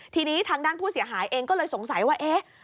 ทีนี้ทางด้านผู้เสียหายเองก็เลยสงสัยว่าเอ๊ะ